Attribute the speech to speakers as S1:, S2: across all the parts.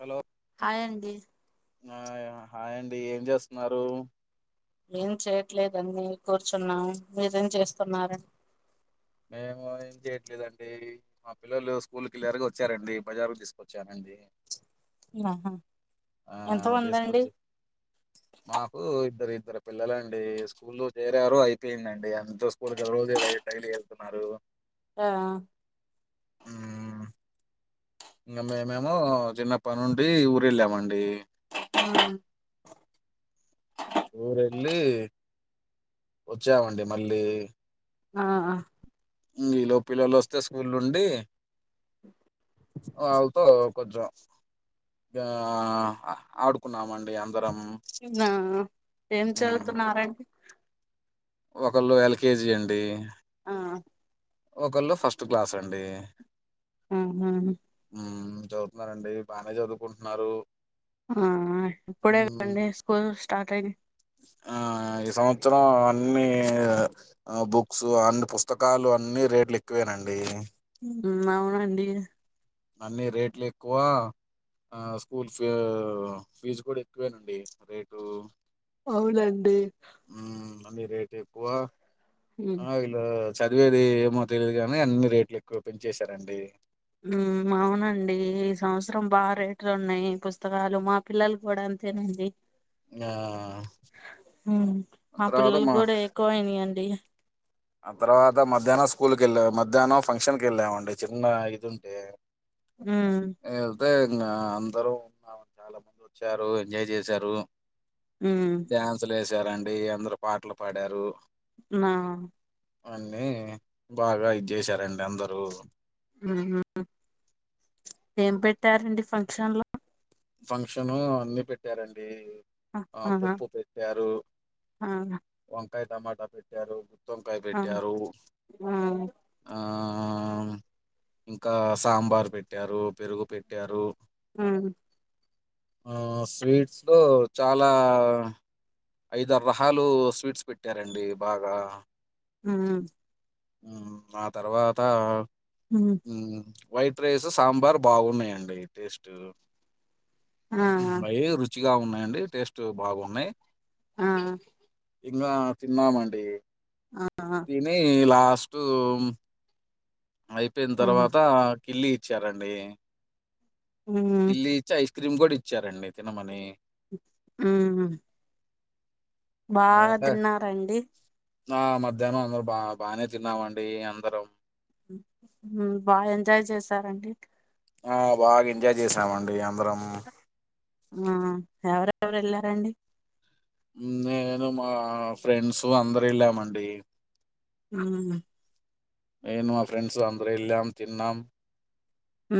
S1: Hello
S2: hi అండి
S1: hi అండి ఏం చేస్తున్నారు
S2: ఏం చేయ్యట్లేదండి కూర్చున్నాం, మీరేం చేస్తున్నారు?
S1: మేము ఏం చెయట్లేదండి మా పిల్లలు స్కూల్ కిలియర్ గా వచ్చారండి బజార్ తీసుకొచ్చానండి
S2: ఆహా
S1: ఆ
S2: ఎంత మంది అండి
S1: తీసుకొచ్చి మాకు ఇద్దరు ఇద్దరు పిల్లలండి స్కూ ల్లో చేరారు అయిపోయిందండి అంత స్కూల్ రోజు ఇలాగే డైలీ వెళ్తున్నారు
S2: ఆ
S1: ఇంగ మేమేమో చిన్నప్ప నుండి ఊరెళ్ళామండి
S2: ఆ
S1: ఊరెళ్ళి, వచ్చామండి మళ్ళీ
S2: ఆ
S1: ఈలోపు పిల్లలు వస్తే స్కూల్ నుండి వాళ్ళతో కొంచెం ఆ ఆడుకున్నామండి అందరం
S2: నా ఏం చదువుతున్నారండి
S1: ఒకలు ఎల్కేజీ అండి
S2: ఆ
S1: ఒకలు ఫస్ట్ క్లాస్ అండి
S2: ఆహా
S1: ఉ చదువుతున్నారండి, బానే చదువుకుంటున్నారు
S2: ఆ ఇప్పుడే కదండీ
S1: హ్మ్.
S2: స్కూల్ స్టార్ట్ అయి
S1: ఆహ్, ఈ సంవత్సరం అన్ని బుక్స్ అన్ని పుస్తకాలు అన్ని రేట్లు ఎక్కువేనాండి
S2: ఉమ్ అవునండి
S1: అన్నిీ రేట్లు ఎక్కువ ఆ స్కూల్ ఫ ఫీజు కూడా ఎక్కువేనండి రేటు
S2: అవునండి
S1: ఉ రేట్ ఎక్కువ లో చదివేది ఏమో తెలియదు గాని అన్ని రేట్లు ఎక్కువ పెంచేశారండి
S2: ఉమ్ అవునండి ఈ సంవత్సరం బాగ రేట్లు ఉన్నయి పుస్తకాలు మా పిల్లలు కూడా అంతేనండి
S1: ఆ!
S2: ఉమ్ మా పిల్లలకు కూడా ఎకువయినయండి
S1: ఆ తర్వాత మధ్యాహ్నం స్కూల్కి వెళ్ళాము మధ్యాహ్నం ఫంక్షన్కి వెళ్ళామండి చిన్న ఇదింటే
S2: ఉమ్
S1: వెళ్తే ఇంగ అందరూ ఉ చాలా బాగా ఎంజాయ్ చేశారు
S2: ఉమ్
S1: డ్యాన్సులు వేసారండి అందరు పాటలు పాడారు
S2: నా
S1: అన్నీ బాగా ఇది చేసారండి అందరూ
S2: ఉహు ఏం పెట్టారండి ఫంక్షన్ లో
S1: ఫంక్షన్లో అన్ని పెట్టారండి ఆ
S2: ఆహా
S1: పప్పు పెట్టారు
S2: ఆ
S1: వంకాయ టమాటా పెట్టారు గుత్తివంకాయ
S2: ఆ
S1: పెట్టారు
S2: ఆ
S1: ఆ ఇంకా సాంబారు పెట్టారు పెరుగు పెట్టారు
S2: ఉమ్
S1: ఆ స్వీట్స్ లో చాలా ఐదారు రహాలు స్వీట్స్ పెట్టారండి బాగా
S2: ఉమ్
S1: ఆ తర్వాత
S2: ఉమ్
S1: వైట్ రైసు సాంబార్ బాగున్నాయండి టేస్టు
S2: ఆ
S1: బాయి రుచిగా ఉన్నాయండి టేస్ట్ బాగున్నాయి
S2: ఆ
S1: ఇంగా తిన్నామండి
S2: ఆ ఆ
S1: తిని లాస్ట్ అయిపోయిన తర్వాత కిల్లీ ఇచ్చారండి
S2: ఉమ్
S1: కిల్లి ఇచ్చి ఐస్ క్రీమ్ కూడా ఇచ్చారండి తినమని
S2: ఆ బాగా
S1: అంటే
S2: తిన్నారండి
S1: ఆ మధ్యాహ్నం అందరు బా బానే తిన్నామండి అందరం
S2: బా ఎంజాయ్ చేసారండి
S1: ఆ బాగా ఎంజాయ్ చేసామండి అందరం
S2: ఆ ఎవరెవరు వెళ్లారండి
S1: నేను మా ఫ్రెండ్స్ అందరు వెళ్ళామండి
S2: ఉ
S1: నేను మా ఫ్రెండ్స్ అందరు వెళ్ళాం తిన్నాం
S2: హ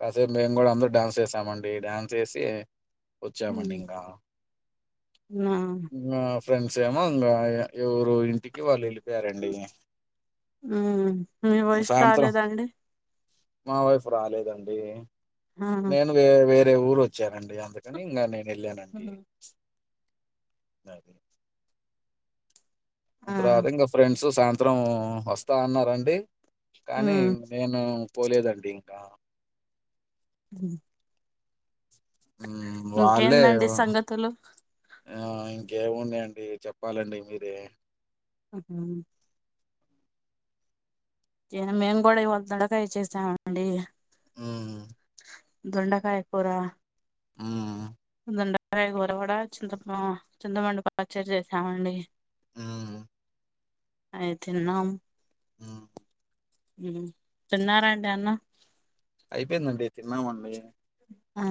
S1: కాసేపు మేము కూడా అందరు డ్యాన్స్ చేసామండి డ్యాన్స్ చేసి వొచ్చామండి
S2: ఉమ్
S1: ఇంకా
S2: ఆ
S1: ఫ్రెండ్స్ ఏమో ఇంగా ఎవరు ఇంటికి వాళ్ళు వెళ్ళిపోయారండి
S2: ఉమ్ మీ వైఫ్
S1: సాయంత్రం
S2: రాలేదండి
S1: మా వైఫ్ రాలేదండి
S2: ఆ
S1: నేను వే వేరే ఊరు వచ్చానండి అందుకని ఇంగా నేను వెళ్ళానండి [unintelligible]
S2: ఆ
S1: తర్వాత ఇంకా ఫ్రెండ్స్ సాయంత్రం వస్తా అన్నారండి కానీ
S2: ఉమ్
S1: నేను పోలేదండి ఇంకా
S2: ఉ
S1: వాళ్ళే
S2: ఇంకేందండి సంగతులు
S1: ఆ ఇంకేమున్నాయండి చెప్పాలండి మీరే
S2: ఆహ మేము కూడా ఇవాల దొండకాయ్ చేసామండి
S1: ఆ
S2: దొండకాయ కూర
S1: ఆ
S2: దొండకాయ కూర కూడా చింత చింతపండు పచ్చడి చేసాం అండి
S1: ఆ
S2: అయి తిన్నాం
S1: హ్మ్.
S2: తిన్నారండి అన్నం
S1: అయిపోయిందండి తిన్నామండి
S2: ఆ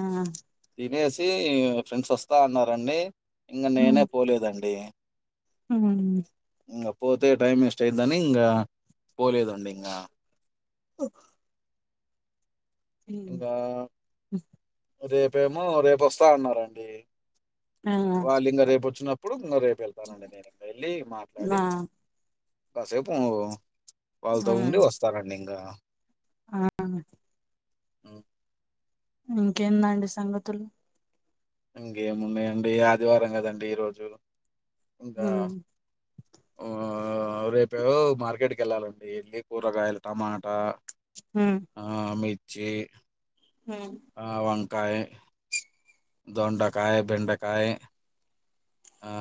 S1: తినేసీ ఫ్రెండ్స్ ఒస్తా అన్నారండి ఇంగా నేనే పోలేదండి
S2: అ
S1: ఇంగా పోతే టైం వేస్ట్ అయిదానీ ఇంగా పోలేదండి ఇంగా
S2: ఉ
S1: ఆ రేపేమో రేప్ ఒసా అన్నారండి
S2: ఆ
S1: వాళ్ళు ఇంగా రేపు ఒచ్చినప్పుడు ఇంగా రేపు ఎళ్తానండి నేను ఎళ్ళి మాట్లాడి
S2: నా
S1: కాసేపూ వాళ్ళతో ఉండి ఒస్తారండి ఇంగా
S2: ఆ ఆ
S1: అవ్
S2: ఇంకేందండి సంగతులు
S1: ఇంగేమున్నాయండి ఆదివారం కదండి ఈ రోజు ఇంగా ఆ ఆ రేపేవో మార్కెట్కి ఎళ్ళాలండీ ఎళ్ళి కూరగాయలు టమాటా
S2: అ
S1: ఆ మిర్చి
S2: ఉ
S1: ఆ వంకాయే దొండకాయే బెండకాయే ఆ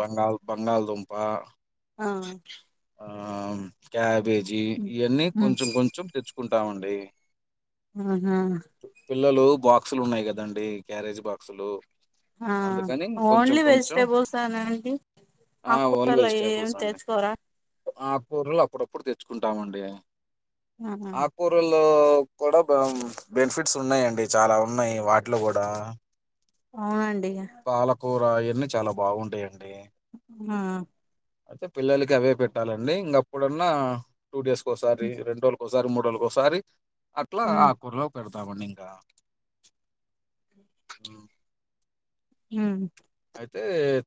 S1: బంగాల్ బంగాల్ దుంపా
S2: ఆ
S1: ఆమ్ క్యాబేజీ ఇయన్నీ కొంచెం కొంచెం తెచ్చుకుంటామండి
S2: ఆహా
S1: పిల్లలు బాక్సులు ఉన్నాయి గదండి క్యారేజీ బాక్సులు
S2: ఆ
S1: అందుకని కొంచెం
S2: ఓన్లీ
S1: కొంచెం
S2: వేజ్టేబుల్సానా అండి
S1: ఆ
S2: ఆకుటలో ఏం తెచ్కోరా
S1: ఆకూర్లు అప్పుడప్పుడు తెచ్చుకుంటామండి ఆకూర్ కులూ కూడా బా బెనిఫిట్స్ ఉన్నాయండి చాలా ఉన్నాయి వాట్లో గూడా
S2: ఆ అండి
S1: పాలకూరా అయాన్నీ చాలా బావుంటాయండి.
S2: ఆ
S1: అయితే పిల్లలకి అవే పెట్టాలండి ఇంగా అప్పుడన్నా టూ డేస్కిసారి
S2: ఉమ్
S1: రెన్రోలా కో సారి మూరోల కోసరీ అట్లా ఆ కూరలో పెడ్తామండి ఇంకా
S2: హ
S1: అయితే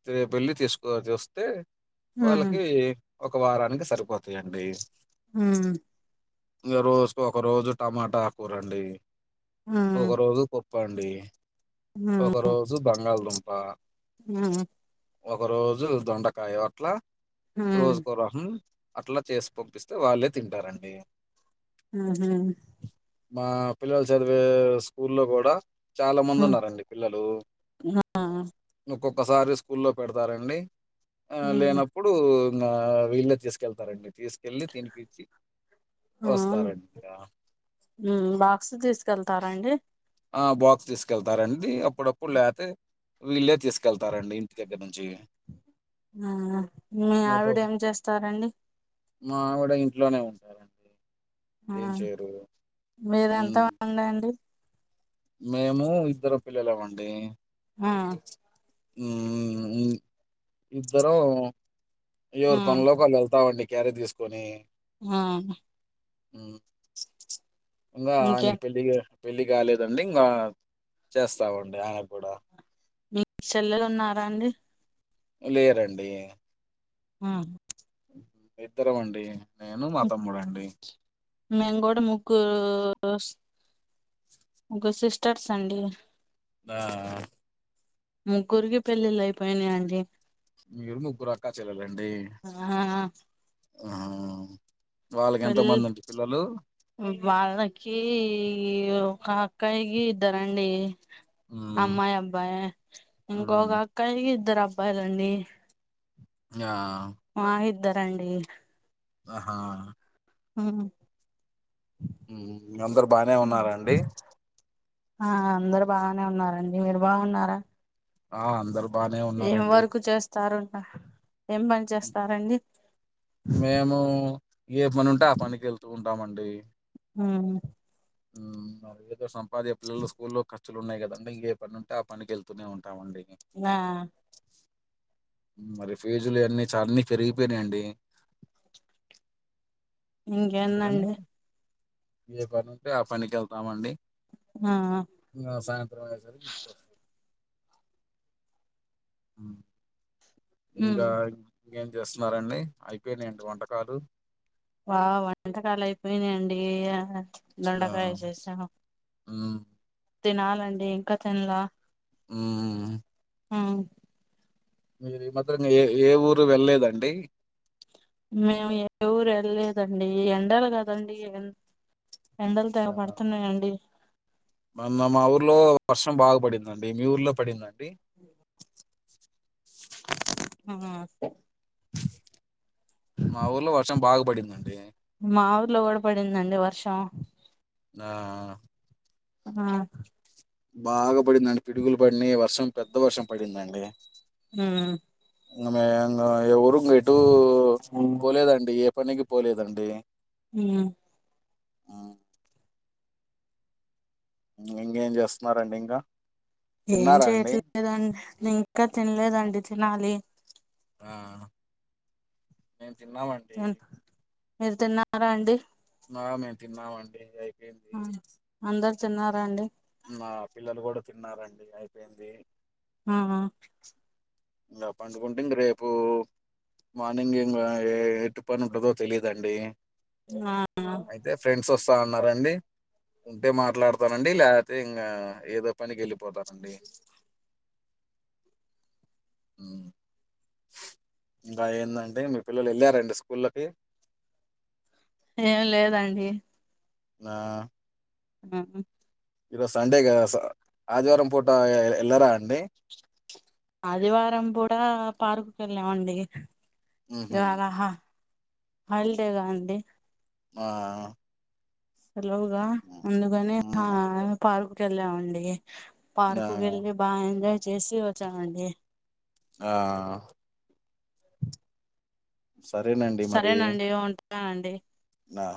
S1: తే బెల్లి తీస్కో తేస్తే
S2: ఉమ్
S1: వాళ్ళకీ ఒక వారానికి సరిపోతాయండి.
S2: హామ్
S1: ఇంగా రోజు కొకరోజు టమాటా ఆకూరండి ఒక రోజు పప్ పండి ఒక రోజు బంగాల్దుంపా
S2: ఉ
S1: ఒక రోజు దొండకాయా అట్ల రోజు కోరకం అట్లా చేసి పంపిస్తే వాళ్ళే తింటారండి.
S2: ఉహు
S1: మా పిల్లలు చదివే స్కూల్లో గూడా చాలా మంది ఉన్నారండి పిల్లలు
S2: ఆ ఆ
S1: ఒక్కొక్కసారి స్కూల్లో పెడ్తారండి లేన ఇప్పుడు ఇంగ వెళ్ళే తీసుకెళ్తారండి తీ తినిపించి వస్తారండి ఇంకా
S2: ఉ బాక్స్ తీసుకెళ్తారా అండి
S1: ఆ బాక్స్ తీసుకెళ్తారండి అప్పుడప్పుడు [unintelligible] వీళ్ళే తీసుకెళ్తారండి ఇంటి దెగ్గర నుం
S2: ఆ మీ
S1: మా పా
S2: ఆవిడ ఏం చేస్తారండి
S1: మా ఆవిడ ఇంట్లోనే ఉంటారండి ఏం చేయరు
S2: మీరు ఎంత
S1: హ్మ్.
S2: మంది అండి
S1: మేము ఇద్దరు పిల్లలమండి
S2: ఆ
S1: ఇద్దరు ఎవరి పనులోకి వాళ్ళు వెళ్తామండి క్యారి తీసుకొని
S2: ఆ
S1: ఉ ఇంగా
S2: ఇంకే
S1: ఆయనకి పెళ్లి పెళ్ళి కాలేదండి ఇంగ చేస్తామండి ఆయన కూడ
S2: మీకు చెల్లెలు ఉన్నార అండి
S1: లేరండి
S2: హు
S1: ఇద్దరం అండి నేను మా తమ్ముడండి
S2: మేము కూడ ముగ్గురు ముగ్గురు సిస్టర్స్ అండి
S1: ఆ
S2: ముగ్గురికి పెళ్ళిళ్ళు అయిపోయినాయండి
S1: మీరు ముగ్గురు అక్క చెల్లలండి
S2: ఆ
S1: వాళ్ళకి ఎంత
S2: పెళ్ళి
S1: మంది అండి పిల్లలు
S2: వాళ్ళకి ఒక అక్కయకి ఇద్దరండి
S1: మ్మ్
S2: అమ్మాయి అబ్బాయి ఇంకొక
S1: మ్మ్
S2: అక్కయకి ఇద్దరు అబ్బాయిలండి
S1: ఆ
S2: మాకు ఇద్దరండి
S1: ఆహా
S2: ఉ
S1: అందరు బానే ఉన్నార అండి
S2: ఆ అందరు బానే ఉన్నారండి మీరు బాగున్నార
S1: ఆ అందరు బానే
S2: ఏం
S1: ఉన్నారండి
S2: వర్కు చేస్తారు ఏం పని చేస్తారండి
S1: మేము ఏ పని ఉంటే ఆ పనికి వెళ్తూ ఉంటామండి
S2: హు
S1: ఉమ్ ఏదో [unintelligible] పిల్లలు స్కూల్లో లు ఉన్నాయి కదండి ఇంగ ఏ పని ఉంటె ఆ పనికి వెళ్తూనే ఉంటామండి
S2: ఆ
S1: మరి ఫీజులు ఇయన్నీ అన్ని పెరిగిపోయినయండి అందుకనే
S2: ఇంకేందండి
S1: ఏ పని ఉంటే ఆ పనికి వెళ్తామండి
S2: ఆ
S1: ఇంగ సాయంత్రం అయేసరికి ఇంటికి వస్తాం ఇంకా ఇంకేం చేస్తున్నారండి అయిపోయినయండి వంటకాలు
S2: వా వంటకాలు అయిపోయినాయండి
S1: ఆ
S2: దొండకాయ చేసాను
S1: మ్మ్
S2: తినాలండి ఇంకా తిన్లే
S1: ఉమ్
S2: ఉమ్
S1: మీరు మాత్రం ఏ ఏ ఊరు వెళ్లలేదండి
S2: మేము ఏ ఊరు వెళ్లేదండి ఎండలు కదండి ఎండలు తెగ కొడుతున్నాయండి
S1: మ మా ఊర్లో వర్షం బాగా పడిందండి మీ ఊర్లో పడిందా అండి
S2: ఉహు
S1: మా ఊర్లో వర్షం బాగ పడిందండి
S2: మా ఊర్లో కూడ పడిందండి వర్షం
S1: ఆ
S2: ఆ
S1: బాగా పడిందండి పిడుగులు పడినయి వర్షం పెద్ద వర్షం పడిందండి [unintelligible] మే ఇంగ ఏ ఊరు ఇటు పోలేదండి ఏ పనికి పోలేదండి
S2: ఉమ్
S1: ఉమ్, ఇంకేం చేస్తున్నారండి ఇంగా
S2: ఏం చేయట్లేదండి ఇంకా తిన్లేదండి తినాలి
S1: ఆ మేము తిన్నామం
S2: మీరు తిన్నారా అండి
S1: నా మేము తిన్నామండి అయిపొయింది
S2: అవున అందరు తిన్నారా అండి
S1: నా పిల్లలు గూడ తిన్నారండి అయిపోయింది
S2: ఆ అ
S1: ఇంగ పండుకుంటే ఇంగ రేపు మార్నింగ్ ఇంగా ఎ ఎట్ పని ఉంటుందో తెలియదండి
S2: ఆ అ
S1: అయితే ఫ్రెండ్స్ వస్తా అన్నారండి ఉంటే మాట్లాడతానండి లేతే ఇంగా ఏదో పనికి ఎళ్ళిపోతానండి మ్ ఇంకా ఏందండి మీ పిల్లలు ఎళ్ళారా అండి స్కూళ్ళకి
S2: ఏం లేదండి
S1: నా ఈరోజు సండే గా స ఆదివారం పూటా ఎ ఎళ్ళరా అండి
S2: ఆదివారం పూట పార్కుకి ఎళ్ళామండి
S1: ఉహు
S2: ఇవాళ హ హల్డే గా అండి
S1: ఆ
S2: హలోగా
S1: ఉమ్
S2: ముందుగానె
S1: ఉమ్.
S2: పార్కు కెళ్ళామండి
S1: ఆ
S2: పార్కు కెళ్ళి బా ఎంజాయ్ చేసి వచ్చామండి
S1: ఆ సరేనండి
S2: సరేనండి ఉంటానండి
S1: నా